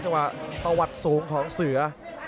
ตะวัดสูงของเสือ